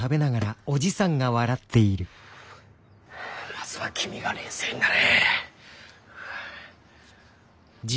まずは君が冷静になれ！